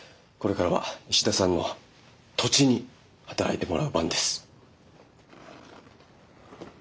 これからは石田さんの土地に働いてもらう番です。